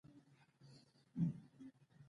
د بادغیس په قادس کې د پستې ځنګلونه دي.